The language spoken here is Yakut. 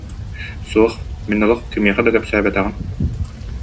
Суох, мин олох кимиэхэ да кэпсээбэтэҕим